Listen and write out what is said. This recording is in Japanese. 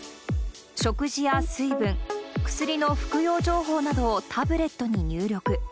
食事や水分、薬の服用情報などをタブレットに入力。